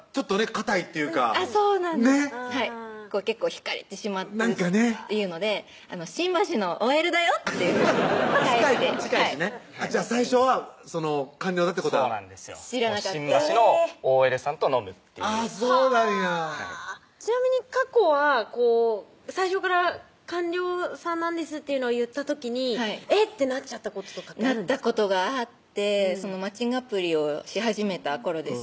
かたいっていうかそうなんです結構引かれてしまうっていうので「新橋のＯＬだよ」っていうふうに近いしねじゃあ最初は官僚だってことはそうなんですよ新橋のＯＬさんと飲むっていうあぁそうなんやちなみに過去は最初から「官僚さんなんです」っていうのを言った時に「えっ！」ってなっちゃったことなったことがあってマッチングアプリをし始めた頃ですね